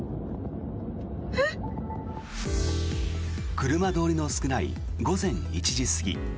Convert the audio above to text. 車通りの少ない午前１時過ぎ